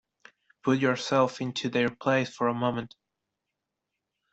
Put yourself into their place for a moment.